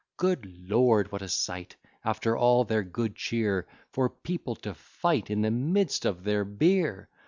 Good lord! what a sight, After all their good cheer, For people to fight In the midst of their beer!